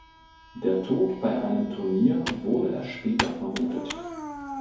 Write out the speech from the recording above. Der Tod bei einem Turnier wurde erst später vermutet.